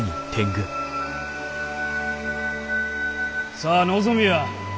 さあ望みや！